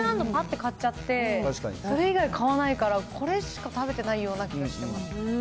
ぱって買っちゃって、それ以外買わないから、これしか食べてないような気がしてます。